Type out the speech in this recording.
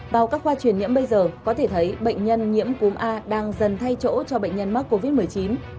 bào các khoa truyền nhiễm bây giờ có thể thấy bệnh nhân nhiễm cúm a đang dần thay chỗ cho bệnh nhân mắc covid một mươi chín